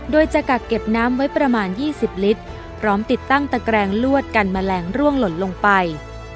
โดยจะกักเก็บน้ำไว้ประมาณ๒๐ลิตรพร้อมติดตั้งตะแกรงลวดกันแมลงร่วงหล่นลงไป